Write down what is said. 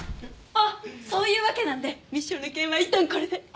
あっそういうわけなんでミッションの件はいったんこれで。